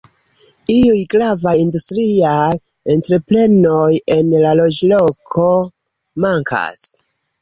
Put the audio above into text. Iuj gravaj industriaj entreprenoj en la loĝloko mankas.